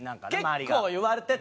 結構言われてて。